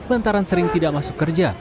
lantaran sering tidak masuk kerja